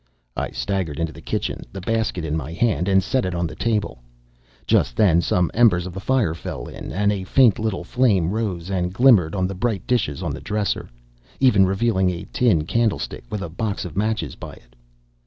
I staggered into the kitchen, the basket in my hand, and set it on the table. Just then some embers of the fire fell in, and a faint little flame rose and glimmered on the bright dishes on the dresser, even revealing a tin candlestick, with a box of matches by it.